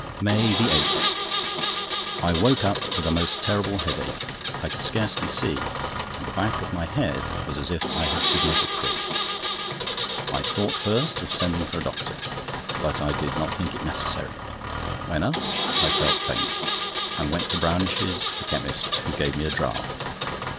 MAY 8.—I woke up with a most terrible headache. I could scarcely see, and the back of my neck was as if I had given it a crick. I thought first of sending for a doctor; but I did not think it necessary. When up, I felt faint, and went to Brownish's, the chemist, who gave me a draught.